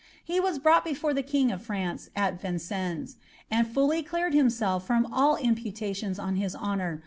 He was brouglit before the king of France at Vincennes, and fully cleared himself from all imputations on his honour.